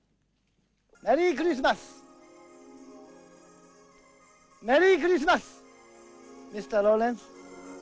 メリー・クリスマス、メリー・クリスマス、ミスター・ローレンス。